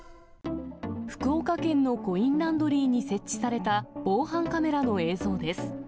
福岡県のコインランドリーに設置された防犯カメラの映像です。